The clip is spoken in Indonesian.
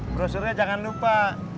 brosurnya jangan lupa